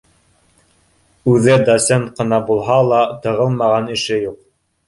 Үҙе доцент ҡына булһа ла, тығылмаған эше юҡ